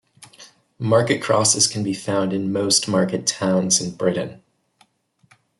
Market crosses can be found in most market towns in Britain.